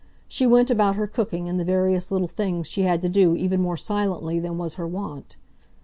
She went about her cooking and the various little things she had to do even more silently than was her wont.